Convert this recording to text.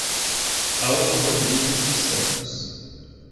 Aldo Rodrigues dos Santos